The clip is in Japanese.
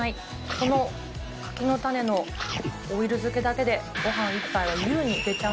この柿の種のオイル漬けだけで、ごはん１杯は優にいけちゃう。